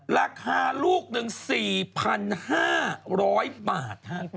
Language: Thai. ราคาลูกหนึ่ง๔๕๐๐บาท